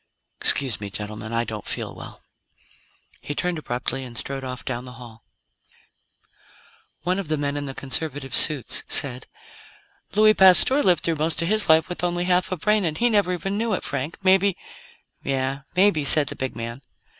Excuse me, gentlemen; I don't feel well." He turned abruptly and strode off down the hall. One of the men in the conservative suits said: "Louis Pasteur lived through most of his life with only half a brain and he never even knew it, Frank; maybe " "Yeah. Maybe," said the big man.